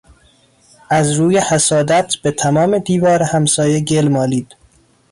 از روی حسادت به تمام دیوار همسایه گل مالید.